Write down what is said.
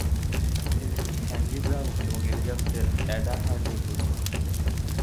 তিনি Henry Brown এবং Elizabeth Ada হার্টের পুত্র।